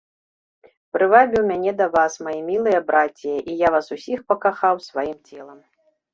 Прывабіў мяне да вас, маі мілыя брація, і я вас усіх пакахаў сваім целам.